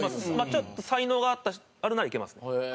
ちょっと才能があるならいけますね。